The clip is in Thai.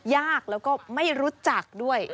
ยากแล้วก็ไม่รู้จักด้วย